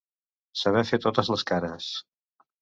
Saber fer totes les cares.